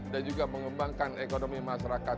dan juga mengembangkan ekonomi masyarakat